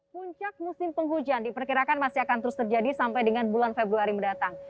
puncak musim penghujan diperkirakan masih akan terus terjadi sampai dengan bulan februari mendatang